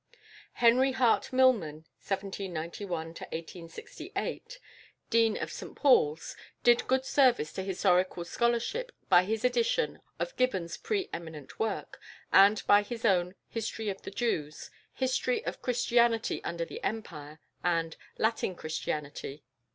=Henry Hart Milman (1791 1868)=, Dean of St Paul's, did good service to historical scholarship by his edition of Gibbon's pre eminent work, and by his own "History of the Jews," "History of Christianity under the Empire," and "Latin Christianity."